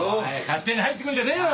勝手に入ってくるんじゃねえよ！